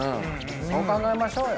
そう考えましょうよ。